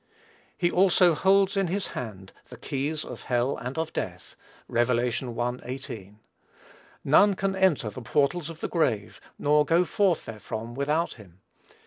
He also holds in his hand "the keys of hell and of death." (Rev. i. 18.) None can enter the portals of the grave, nor go forth therefrom without him.